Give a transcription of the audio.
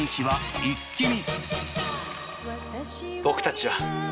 僕たちは。